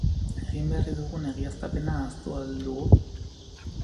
Egin berri dugun egiaztapena ahaztu ahal dugu?